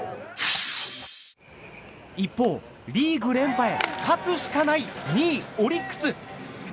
一方リーグ連覇へ、勝つしかない２位、オリックス。